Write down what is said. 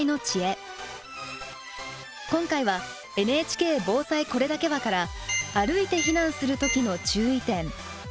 今回は「＃ＮＨＫ防災これだけは」から歩いて避難する時の注意点。